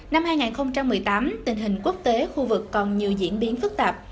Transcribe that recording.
năm hai nghìn một mươi tám tình hình quốc tế khu vực còn nhiều diễn biến phức tạp